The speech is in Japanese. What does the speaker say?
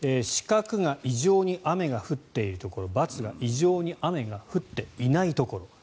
□が異常に雨が降っているところ×が異常に雨が降っていないところ。